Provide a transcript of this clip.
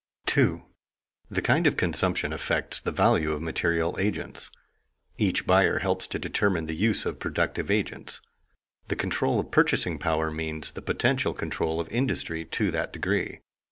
[Sidenote: Consumers' choice as influencing value] 2. The kind of consumption affects the value of material agents. Each buyer helps to determine the use of productive agents. The control of purchasing power means the potential control of industry to that degree.